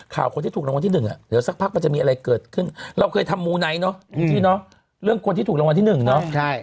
ข่าวคนที่ถูกรางวัลที่หนึ่งอ่ะเดี๋ยวสักพักมันจะมีอะไรเกิดขึ้นเราเคยทำมูไนท์เนาะเรื่องคนที่ถูกรางวัลที่หนึ่งเนาะ